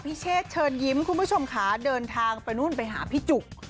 เชษเชิญยิ้มคุณผู้ชมค่ะเดินทางไปนู่นไปหาพี่จุก